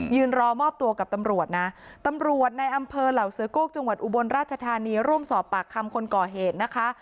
รอมอบตัวกับตำรวจนะตำรวจในอำเภอเหล่าเสือโก้จังหวัดอุบลราชธานีร่วมสอบปากคำคนก่อเหตุนะคะ